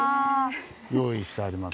用意してあります。